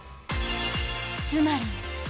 つまり。